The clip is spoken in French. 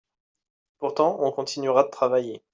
Pourtant on continuera de travailler.